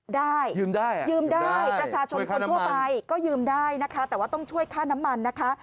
ได้ยืมได้ยืมได้ประชาชนคนทั่วไปก็ยืมได้นะคะแต่ว่าต้องช่วยค่าน้ำมันนะคะ